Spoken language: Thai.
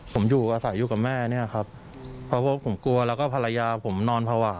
ผมอยู่อาศัยอยู่กับแม่เนี่ยครับเพราะพวกผมกลัวแล้วก็ภรรยาผมนอนภาวะ